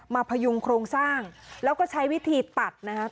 พยุงโครงสร้างแล้วก็ใช้วิธีตัดนะครับ